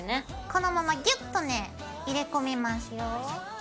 このままギュッとね入れ込みますよ。